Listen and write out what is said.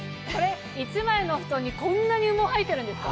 １枚の布団にこんなに羽毛入ってるんですか。